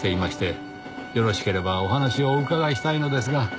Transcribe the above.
よろしければお話をお伺いしたいのですが。